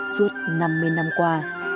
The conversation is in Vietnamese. suốt năm mươi năm qua